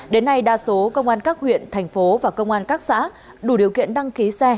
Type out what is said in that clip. đến nay đa số công an các huyện thành phố và công an các xã đủ điều kiện đăng ký xe